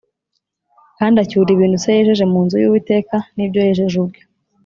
Kandi acyura ibintu se yejeje mu nzu y’Uwiteka n’ibyo yejeje ubwe